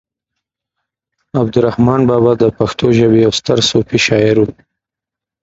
عبد الرحمان بابا د پښتو ژبې يو ستر صوفي شاعر و